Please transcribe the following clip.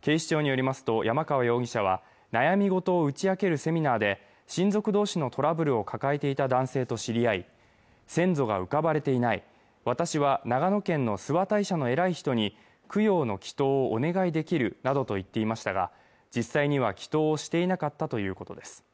警視庁によりますと山川容疑者は悩みごとを打ち明けるセミナーで親族同士のトラブルを抱えていた男性と知り合い先祖が浮かばれていない私は長野県の諏訪大社の偉い人に供養の祈祷をお願いできるなどと言っていましたが実際には祈祷をしていなかったということです